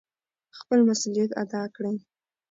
خپل مسؤلیت ادا کړئ.